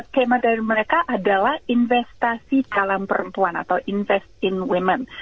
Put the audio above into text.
kema dari mereka adalah investasi salam perempuan atau invest in women